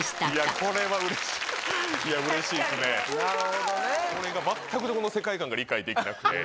これがまったく、この世界観が理解できなくて。